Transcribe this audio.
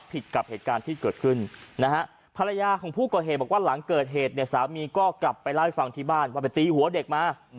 ภรรยาของผู้ก่อเหตุบอกว่าหลังเกิดเหตุเนี่ยสามีก็กลับไปเล่าให้ฟังที่บ้านว่าไปตีหัวเด็กมา